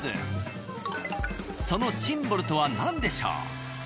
そのシンボルとは何でしょう？